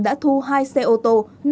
đã thu hai xe ô tô